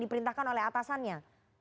diperintahkan oleh atasannya